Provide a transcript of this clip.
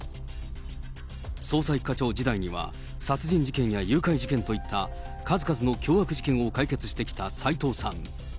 捜査１課長時代には、殺人事件や誘拐事件といった数々の凶悪事件を解決してきた齊藤さん。